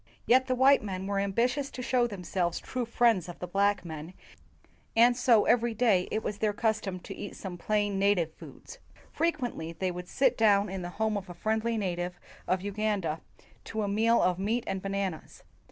Yet the white men were ambitious to show them selves true friends of the black men, and so every day it was their custom to eat some plain native foods. Frequently they would sit down in the home of a friendly native of Uganda to a meal of meat and bananas.